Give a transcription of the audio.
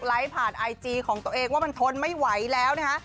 ไลฟ์ผ่านไอจีของตัวเองว่ามันทนไม่ไหวแล้ว